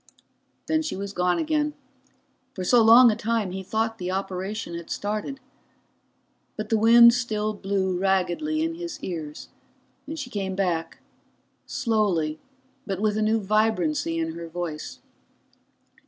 Then she was gone again, for so long a time he thought the operation had started. But the wind still blew raggedly in his ears, and she came back, slowly, but with new vibrancy in her voice.